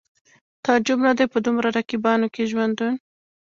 تعجب نه دی په دومره رقیبانو کې ژوندون